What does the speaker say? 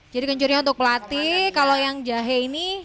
jadi kencurnya untuk pelatih kalau yang jahe ini